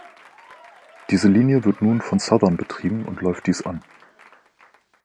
Diese Linie wird nun von Southern betrieben und läuft dies an.